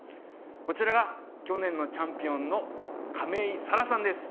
こちらが去年のチャンピオンの亀井沙蘭さんです